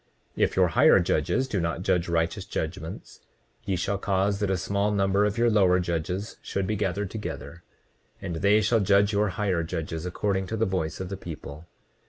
29:29 If your higher judges do not judge righteous judgments, ye shall cause that a small number of your lower judges should be gathered together, and they shall judge your higher judges, according to the voice of the people.